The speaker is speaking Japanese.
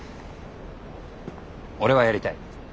俺はやりたい。